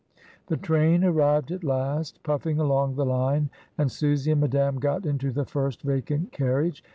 The train arrived at last, puffing along the line, and Susy and Madame got into the first vacant carriage.